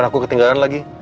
evan aku ketinggalan lagi